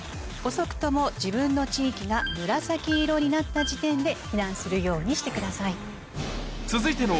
遅くとも自分の地域が紫色になった時点で避難するようにしてください。